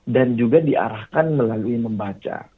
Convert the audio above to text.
dan juga diarahkan melalui membaca